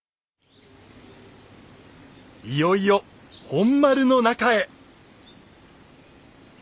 いよいよ本丸の中へ。